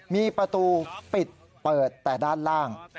มีประตูปิดเปิดแต่ด้านล่าง